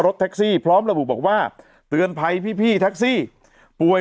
รถแทคซีพร้อมแล้วบุบอกว่าเตือนภัยพี่พี่แทคซีป่วย